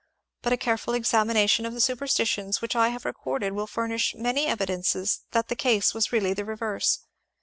But a careful examination of the superstitions which I have recorded will furnish many evidences that the case was really the re verse.